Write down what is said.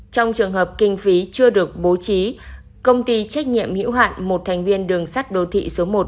trong trường hợp kinh phí chưa được bố trí công ty trách nhiệm hữu hạn một thành viên đường sắt đô thị số một